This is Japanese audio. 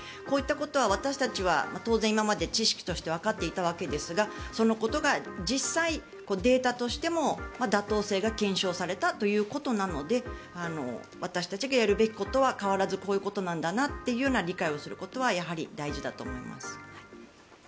こういったことは私たちは当然、知識としてはわかっていたわけですがそのことが実際、データとしても妥当性が検証されたということなので私たちがやるべきことは変わらずこういうことなんだなと理解をすることはやはり大事だと思います。